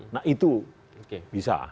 nah itu bisa